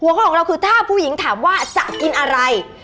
ข้อของเราคือถ้าผู้หญิงถามว่าจะกินอะไร